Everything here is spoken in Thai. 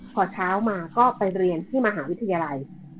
พอเช้ามาก็ไปเรียนที่มหาวิทยาลัย